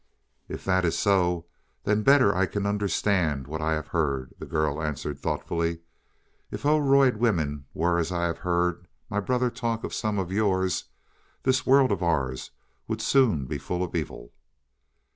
"If that is so, then better I can understand what I have heard," the girl answered thoughtfully. "If Oroid women were as I have heard my brother talk of some of yours, this world of ours would soon be full of evil."